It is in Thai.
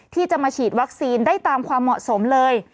ที่จะมาฉีดวัคซีนได้ตามความเหมาะสมเลย